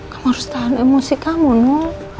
kamu harus tahan emosi kamu